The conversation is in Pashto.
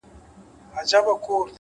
وخت بېرته نه راګرځي؛